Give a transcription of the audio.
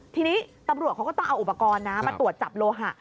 ทีนี้ตำรวจเขาก็ต้องเอาอุปกรณ์นะมาตรวจจับโลหะ